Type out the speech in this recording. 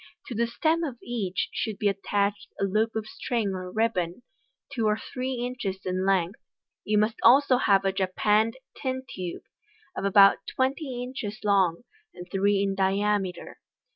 To the stem of each should be attached a loop of string or ribbon, two or three inches in length. You must also have a japanned tin tube, of about twenty inches long, and three in diameter.